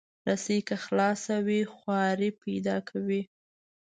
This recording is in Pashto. رسۍ که خلاصه وي، خواری پیدا کوي.